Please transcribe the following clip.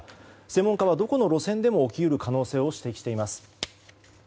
専門家は、どこの路線でも起き得る可能性を指摘しています。